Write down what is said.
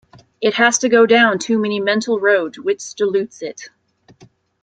It has to go down too many mental roads, which dilutes it.